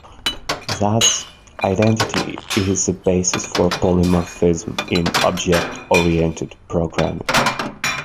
Thus, identity is the basis for polymorphism in object-oriented programming.